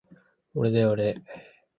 おれだよおれ